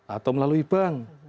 atau melalui bank